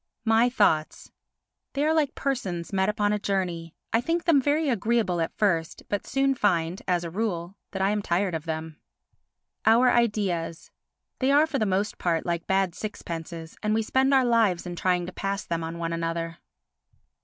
My Thoughts They are like persons met upon a journey; I think them very agreeable at first but soon find, as a rule, that I am tired of them. Our Ideas They are for the most part like bad sixpences and we spend our lives in trying to pass them on one another.